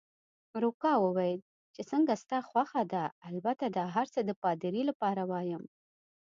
روکا وویل: چې څنګه ستا خوښه ده، البته دا هرڅه د پادري لپاره وایم.